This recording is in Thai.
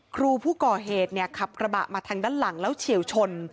ครูผู้ก่อเหตุขับกระบะมาทางด้านหลังแล้วเฉียวชน